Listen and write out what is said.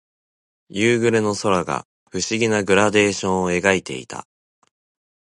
夕暮れの空が不思議なグラデーションを描いていた。